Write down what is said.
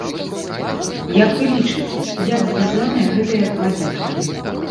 Як вы лічыце, як звязаныя гэтыя два вектары?